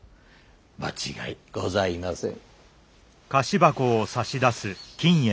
間違いございません。